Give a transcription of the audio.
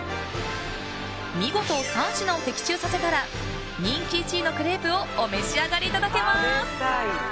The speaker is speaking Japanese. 見事３品を的中させたら人気１位のクレープをお召し上がりいただけます。